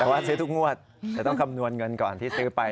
แต่ว่าซื้อทุกงวดแต่ต้องคำนวณเงินก่อนที่ซื้อไป